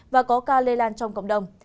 và có ca lây lan trong cộng đồng